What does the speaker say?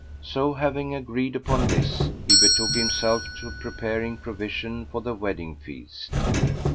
So having agreed upon this he betook himself to preparing provision for the wedding feast.